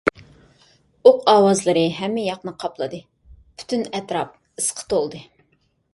ئوق ئاۋازلىرى ھەممە ياقنى قاپلىدى، پۈتۈن ئەتراپ ئىسقا تولدى.